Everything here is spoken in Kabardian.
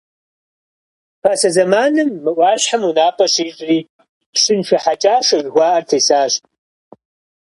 Пасэ зэманым, мы ӏуащхьэм унапӏэ щищӏри, Пщыншэ Хьэкӏашэ жыхуаӏэр тесащ.